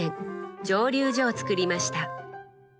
蒸留所をつくりました。